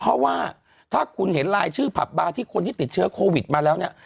เพราะว่าถ้าคุณเห็นลายชื่อผับบาร์ที่คนที่ติดเชื้อโควิดมาแล้วเนี่ย